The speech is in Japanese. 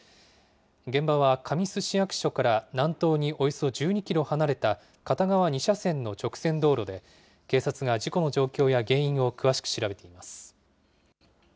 現場は神栖市役所から南東におよそ１２キロ離れた片側２車線の直線道路で、警察が事故の状況や原因を詳しく調べています。